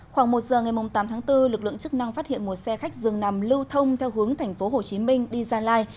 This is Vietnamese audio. khoảng một giờ ngày tám tháng bốn lực lượng chức năng phát hiện một xe khách dường nằm lưu thông theo hướng tp hcm đi gia lai